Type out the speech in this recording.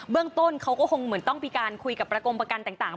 เรื่องต้นเขาก็คงเหมือนต้องมีการคุยกับประกงประกันต่าง